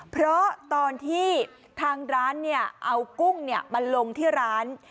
เพราะตอนที่ทางร้านเอากุ้งมาลงที่ร้าน